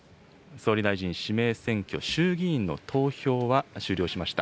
総理大臣指名選挙、衆議院の投票は終了しました。